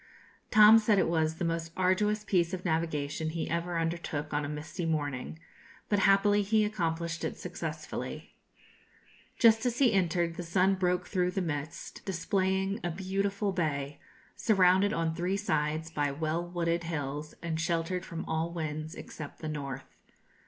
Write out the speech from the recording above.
Tom said it was the most arduous piece of navigation he ever undertook on a misty morning; but happily he accomplished it successfully. Just as he entered the sun broke through the mist, displaying a beautiful bay, surrounded on three sides by well wooded hills, and sheltered from all winds except the north.